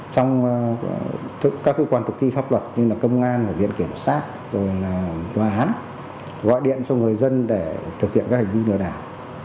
trong các cơ quan thực thi pháp luật như công an viện kiểm soát tòa án gọi điện cho người dân để thực hiện các hành vi lừa đảo